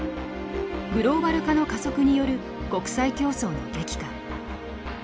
グローバル化の加速による国際競争の激化。